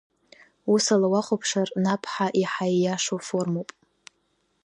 Ус ала уахәаԥшыр, Наԥ-ҳа иаҳа ииашоу формоуп.